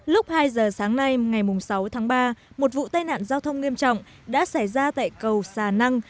lúc hai giờ sáng nay ngày sáu tháng ba một vụ tai nạn giao thông nghiêm trọng đã xảy ra tại cầu xà năng